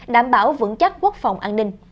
đảm bảo vững chắc quốc phòng an ninh